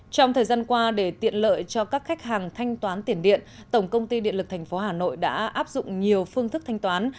trong thời gian qua để tiện lợi cho các khách hàng thanh toán tiền điện tổng công ty điện lực tp hà nội đã áp dụng nhiều phương thức thanh toán